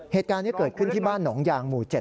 เหตุการณ์นี้เกิดขึ้นที่บ้านหนองยางหมู่๗